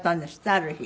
ある日。